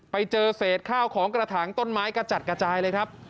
ไปเจอเศษข้าวของกระถางต้นไม้กระจัดกระจายเลยครับ